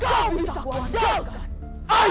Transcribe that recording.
kamu bisa kuandalkan